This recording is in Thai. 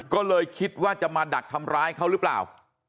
ก็เลยคิดว่าจะมาดักทำร้ายเขาหรือเปล่า